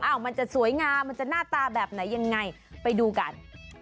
มันจะสวยงามมันจะหน้าตาแบบไหนยังไงไปดูกัน